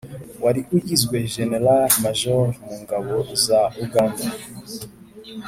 wari ugizwe jenerali majoro mu ngabo za uganda,